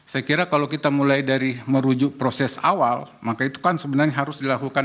saya kira kalau kita mulai dari merujuk proses awal maka itu kan sebenarnya harus dilakukan